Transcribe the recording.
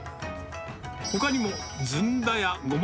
ほかにもずんだやゴマ